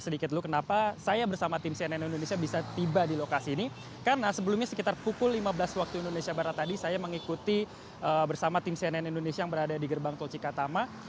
di indonesia barat tadi saya mengikuti bersama tim cnn indonesia yang berada di gerbang tol cikatama